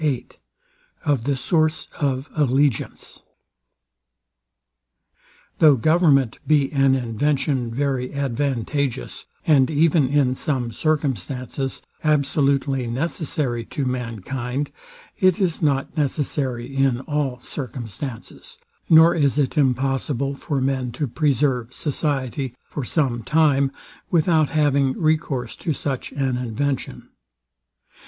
VIII OF THE SOURCE OF ALLEGIANCE Though government be an invention very advantageous, and even in some circumstances absolutely necessary to mankind; it is not necessary in all circumstances, nor is it impossible for men to preserve society for some time, without having recourse to such an invention.